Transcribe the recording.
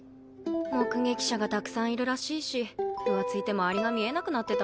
目撃者がたくさんいるらしいし浮ついて周りが見えなくなってたんでしょ。